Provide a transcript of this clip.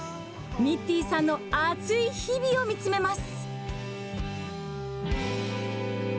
ニッティンさんの熱い日々を見つめます。